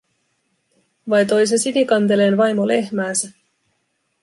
Vai toi se Sinikanteleen vaimo lehmäänsä.